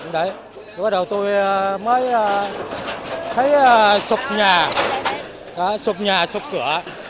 đấy lúc đầu tôi mới thấy sụp nhà sụp nhà sụp cửa